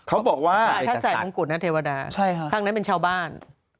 เขาบอกว่าถ้าใส่มงกุฎนะเทวดาข้างนั้นเป็นชาวบ้าน